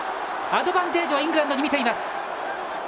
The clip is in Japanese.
アドバンテージをイングランドにみています。